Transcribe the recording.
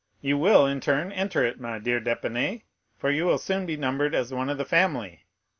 You will, in turn, enter it, my dear d'Épinay, for you will soon be numbered as one of the family.